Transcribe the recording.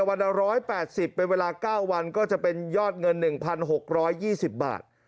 วันละ๑๘๐เป็นเวลา๙วันก็จะเป็นยอดเงิน๑๖๒๐บาท